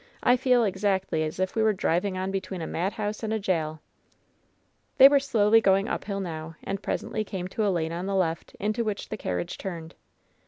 "I feel exactly as if we were driving on between a madhouse and a jail !'' They were slowly going uphill now, and presently came to a lane on the left, into which the carriage turned.